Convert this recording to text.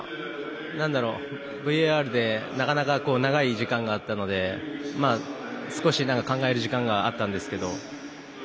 ＶＡＲでなかなか長い時間があったので少し考える時間があったんですけど。